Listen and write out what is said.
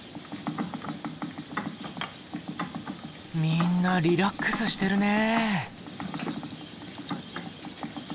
みんなリラックスしてるね。